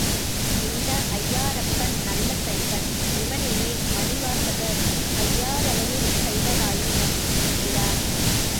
இந்த ஐயாறப்பன் நல்ல சைவன், இவனையே மணிவாசகர், ஐயாறதனில் சைவனாயினன் என்கிறார்.